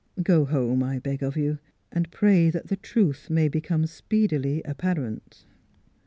... Go home, I beg of you, and pray that the truth may become speedily apparent."